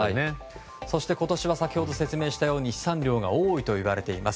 そして今年は先ほど説明したように飛散量が多いといわれています。